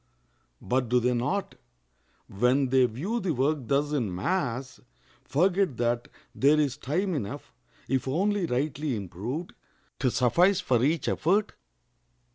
But do they not, when they view the work thus in mass, forget that there is time enough, if only rightly improved, to suffice for each effort?